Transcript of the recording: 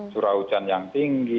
curah hujan yang tinggi